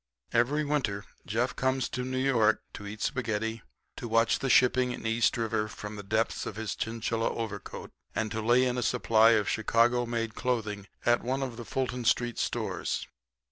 Every winter Jeff comes to New York to eat spaghetti, to watch the shipping in East River from the depths of his chinchilla overcoat, and to lay in a supply of Chicago made clothing at one of the Fulton street stores.